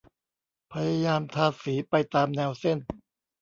พยายามทาสีไปตามแนวเส้น